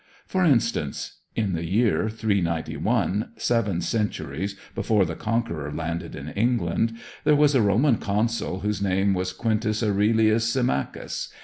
For instance: In the year 391, seven centuries before the Conqueror landed in England, there was a Roman Consul whose name was Quintus Aurelius Symmachus.